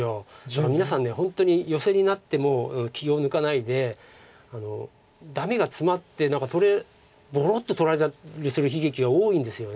皆さん本当にヨセになっても気を抜かないでダメがツマってボロッと取られちゃったりする悲劇が多いんですよね。